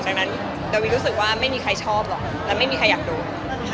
ดังนั้นดาวิรู้สึกว่าไม่มีใครชอบหรอกและไม่มีใครอยากดู